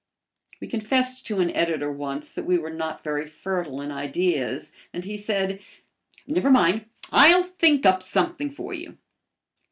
We confessed to an editor once that we were not very fertile in ideas, and he said, "Never mind, I'll think up something for you."